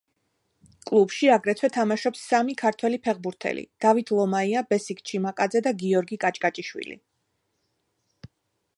კლუბში აგრეთვე თამაშობს სამი ქართველი ფეხბურთელი: დავით ლომაია, ბესიკ ჩიმაკაძე და გიორგი კაჭკაჭიშვილი.